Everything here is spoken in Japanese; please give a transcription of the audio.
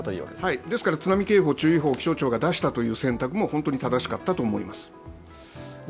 ですから津波警報、注意報を気象庁が出したことは本当に正しかったと思います。